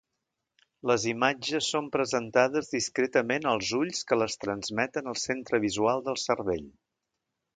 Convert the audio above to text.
Les imatges són presentades discretament als ulls que les transmeten al centre visual del cervell.